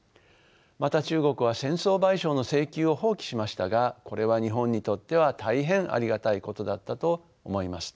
また中国は戦争賠償の請求を放棄しましたがこれは日本にとっては大変ありがたいことだったと思います。